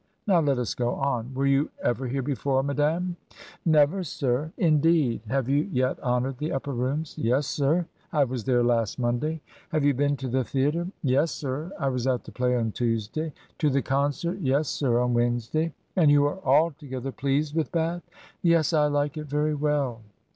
Now let us go on. Were you ever here before, madam?' 'Never, sir.' 'Indeed! Have you yet honored the Upper Rooms?' 'Yes, sir; I was there last Monday.' ' Have you been to the thea tre?' 'Yes, sir; I was at the play on Tuesday.' 'To the concert?' 'Yes, sir; on Wednesday.' 'And you are altogether pleased with Bath?' 'Yes, I like it very well.'